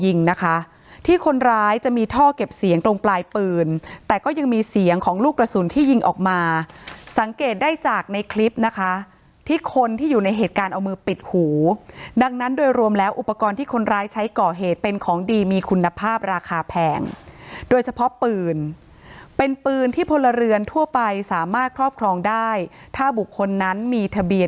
ยิงนะคะที่คนร้ายจะมีท่อเก็บเสียงตรงปลายปืนแต่ก็ยังมีเสียงของลูกกระสุนที่ยิงออกมาสังเกตได้จากในคลิปนะคะที่คนที่อยู่ในเหตุการณ์เอามือปิดหูดังนั้นโดยรวมแล้วอุปกรณ์ที่คนร้ายใช้ก่อเหตุเป็นของดีมีคุณภาพราคาแพงโดยเฉพาะปืนเป็นปืนที่พลเรือนทั่วไปสามารถครอบครองได้ถ้าบุคคลนั้นมีทะเบียน